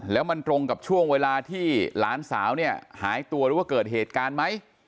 แล้วมันตรงกับช่วงเวลาที่หลานสาวเนี่ยหายตัวหรือว่าเกิดเหตุการณ์ไหม